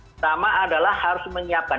pertama adalah harus menyiapkan